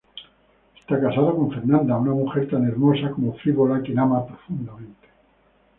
Está casado con Fernanda, una mujer tan hermosa como frívola a quien ama profundamente.